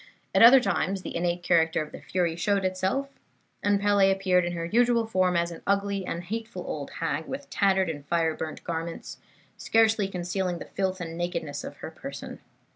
"At other times the innate character of the fury showed itself, and Pele appeared in her usual form as an ugly and hateful old hag, with tattered and fire burnt garments, scarcely concealing the filth and nakedness of her person.